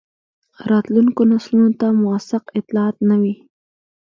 راتلونکو نسلونو ته موثق اطلاعات نه وي.